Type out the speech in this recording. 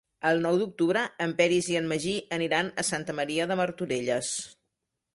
El nou d'octubre en Peris i en Magí aniran a Santa Maria de Martorelles.